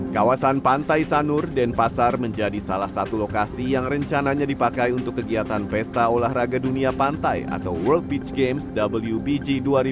kawasan pantai sanur denpasar menjadi salah satu lokasi yang rencananya dipakai untuk kegiatan pesta olahraga dunia pantai atau world beach games wbg dua ribu dua puluh